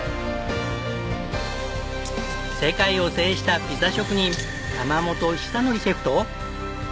世界を制したピザ職人山本尚徳シェフと。